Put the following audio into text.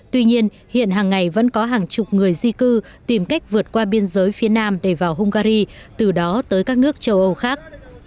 tuy nhiên hiện hàng ngày vẫn có hàng chục người di cư tìm cách vượt qua biên giới phía nam để vào hungary từ đó tới các nước châu âu khác